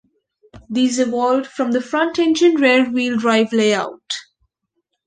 These evolved from the front-engine rear-wheel drive layout.